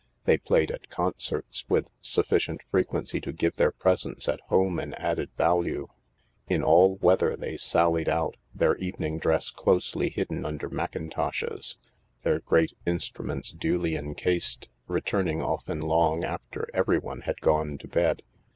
They played at concerts with sufficient frequency to give their presence at home an added value. In all weather they sallied out, their evening dress closely hidden under mackintoshes, their great instruments duly encased, return ing often long after everyone had gone to bed.